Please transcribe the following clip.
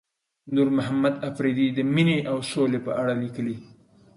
نورمحمد اپريدي د مينې او سولې په اړه ليکلي.